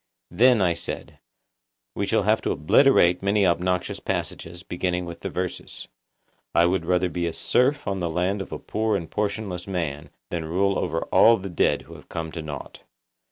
Then, I said, we shall have to obliterate many obnoxious passages, beginning with the verses, 'I would rather be a serf on the land of a poor and portionless man than rule over all the dead who have come to nought.